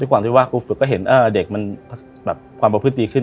ความที่ว่าครูฝึกก็เห็นเด็กมันความประพฤติดีขึ้น